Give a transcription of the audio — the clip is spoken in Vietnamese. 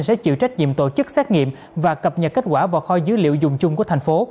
sẽ chịu trách nhiệm tổ chức xét nghiệm và cập nhật kết quả vào kho dữ liệu dùng chung của thành phố